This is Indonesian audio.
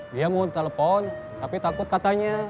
dia mau telepon tapi takut katanya